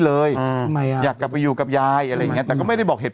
เลยอยากกลับไปอยู่กับยายอะไรอย่างนี้แต่ก็ไม่ได้บอกเหตุ